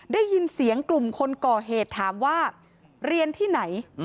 ได้ยินเสียงกลุ่มคนก่อเหตุถามว่าเรียนที่ไหน